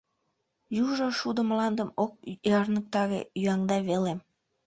Южо шудо мландым ок ярныктаре, ӱяҥда веле.